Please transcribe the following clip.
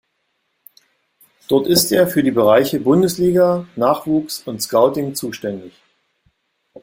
Dort ist er für die Bereiche Bundesliga, Nachwuchs und Scouting zuständig.